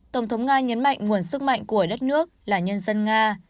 tổng thống nga nhấn mạnh nguồn sức mạnh của đất nước là nhân dân nga